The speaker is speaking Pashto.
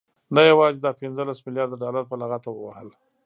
نه يوازې دا پنځلس مليارده ډالر په لغته ووهل،